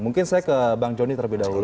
mungkin saya ke bang joni terlebih dahulu